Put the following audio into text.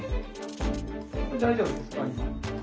大丈夫ですかね？